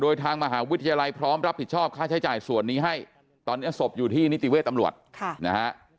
โดยทางมหาวิทยาลัยพร้อมรับผิดชอบค่าใช้จ่ายส่วนนี้ให้ตอนนี้ศพอยู่ที่นิติเวทย์ตำรวจนะฮะ